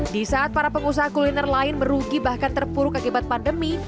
di saat para pengusaha kuliner lain merugi bahkan terpuruk akibat pandemi